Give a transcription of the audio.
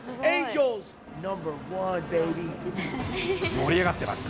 盛り上がってます。